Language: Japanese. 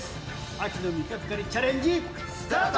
秋の味覚狩りチャレンジ、スタート。